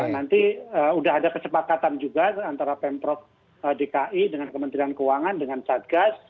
nanti sudah ada kesepakatan juga antara pemprov dki dengan kementerian keuangan dengan satgas